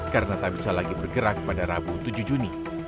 karena tak bisa lagi bergerak pada rabu tujuh juni